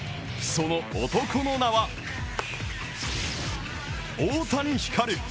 その男の名は大谷輝龍。